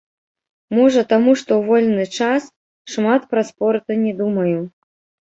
Можа, таму, што ў вольны час шмат пра спорт не думаю.